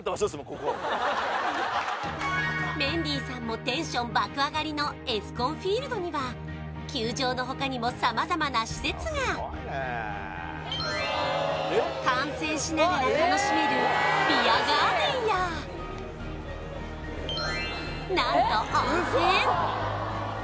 ここメンディーさんもテンション爆上がりのエスコンフィールドには球場の他にも観戦しながら楽しめる何と温泉